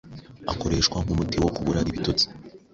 akoreshwa nkumuti wo kubura ibitotsi.